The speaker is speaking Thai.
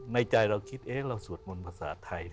ในใจเราคิดเราสวดมนต์ภาษาไทย